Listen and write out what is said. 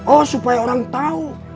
oh supaya orang tahu